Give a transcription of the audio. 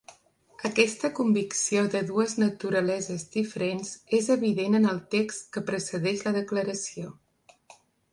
Aquesta convicció de dues naturaleses diferents és evident en el text que precedeix la declaració.